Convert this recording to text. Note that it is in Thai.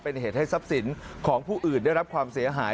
เป็นเหตุให้ทรัพย์สินของผู้อื่นได้รับความเสียหาย